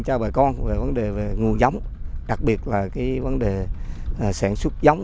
cho bà con về vấn đề về nguồn giống đặc biệt là vấn đề sản xuất giống